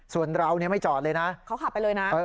ส่วนเราไม่จอดเลยนะเขาขับไปเลยนะ